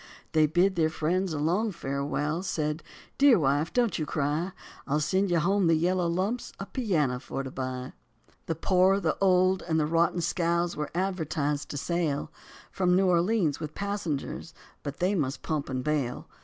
They bid their friends a long farewell, said, "Dear wife, don't you cry, I'll send you home the yellow lumps a piano for to buy." The poor, the old, and the rotten scows were advertised to sail From New Orleans with passengers, but they must pump and bail.